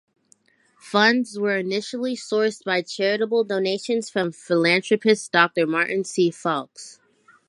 Funds were initially sourced by charitable donations from philanthropist Doctor Martin C. Faulkes.